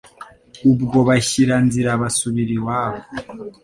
Ubwo bashyira nzira basubira iwabo